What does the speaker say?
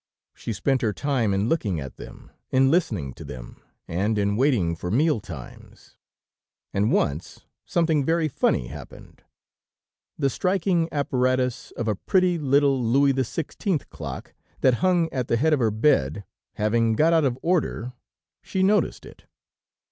She spent her time in looking at them, in listening to them and in waiting for meal times, and once something very funny happened. The striking apparatus of a pretty little Louis XVI. clock that hung at the head of her bed, having got out of order, she noticed it.